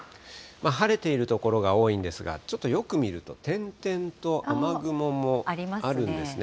晴れている所が多いんですが、ちょっとよく見ると、点々と雨雲もあるんですね。